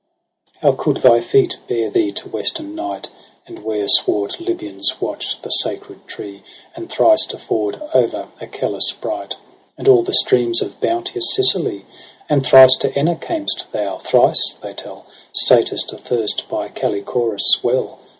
I? ' How coud thy feet bear thee to western night. And where swart Libyans watch the sacred tree. And thrice to ford o'er Achelous bright. And all the streams of beauteous Sicily ? And thrice to Enna cam'st thou, thrice, they tell, Satest athirst by Callichorus' well.